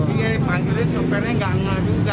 ini dipanggilin sopirnya nggak enggak juga